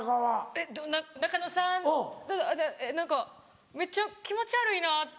えっ中野さん何かめっちゃ気持ち悪いなって。